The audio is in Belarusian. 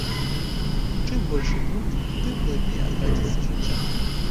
Чым большы бунт, тым глыбей адрадзіцца жыццё.